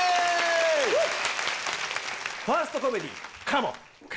ファーストコメディーカモン。ＯＫ。